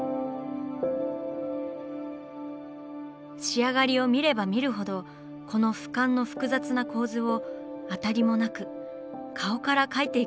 仕上がりを見れば見るほどこの俯瞰の複雑な構図をアタリもなく顔から描いていくなんて。